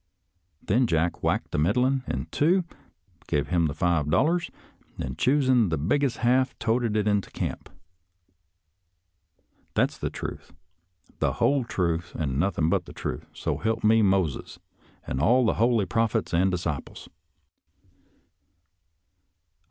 Then, Jack whacked the middlin' in two, give him the five dollars, an' choosin' the bigges' half, toted it into camp. That's the truth, the whole truth, and nothin' but the truth, so help me Moses, an' all the holy prophets and disciples